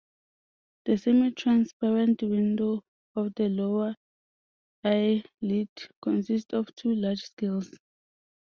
The semitransparent "window" of the lower eyelid consists of two large scales.